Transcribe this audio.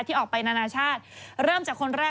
ที่ออกไปนานาชาติเริ่มจากคนแรก